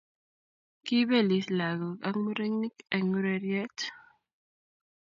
Kiipelis lakok ak murenik eng ureriet